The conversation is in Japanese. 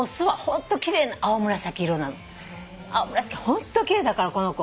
ホント奇麗だからこの子。